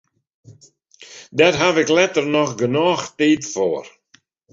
Dêr haw ik letter noch genôch tiid foar.